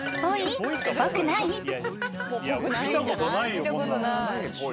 見たことないよ。